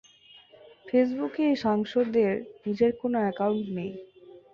ফেসবুকে এই সাংসদের নিজের কোনো অ্যাকাউন্ট নেই।